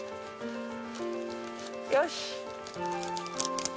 よし。